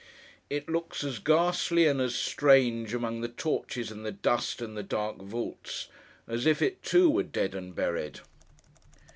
It looks as ghastly and as strange; among the torches, and the dust, and the dark vaults: as if it, too, were dead and buried.